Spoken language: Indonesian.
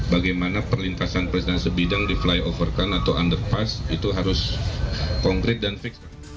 bagaimana perlintasan perlintasan sebidang di flyover kan atau underpass itu harus konkret dan fix